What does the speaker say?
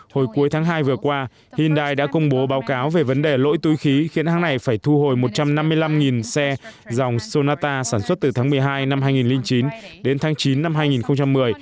hồi cuối tháng hai vừa qua hyundai đã công bố báo cáo về vấn đề lỗi túi khí khiến hãng này phải thu hồi một trăm năm mươi năm xe dòng sonata sản xuất từ tháng một mươi hai năm hai nghìn chín đến tháng chín năm hai nghìn một mươi